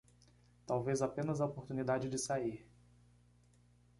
Talvez apenas a oportunidade de sair